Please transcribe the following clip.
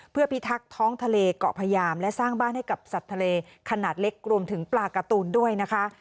เพื่อพิทักษ์ท้องทะเลเกาะพยามและสร้างบ้านให้กับสัตว์ทะเลขนาดเล็กรวมถึงปลาการ์ตูนด้วยนะคะ